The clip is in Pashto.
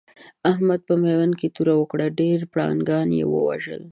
احمد په ميوند کې توره وکړه؛ ډېر پرنګيان يې ووژل.